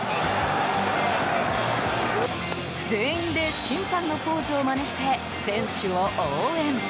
全員で審判のポーズをまねして選手を応援。